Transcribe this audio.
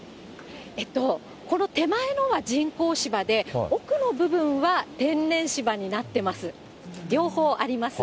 この手前のは人工芝で、奥の部分は天然芝になってます。